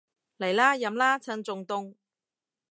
嚟啦，飲啦，趁仲凍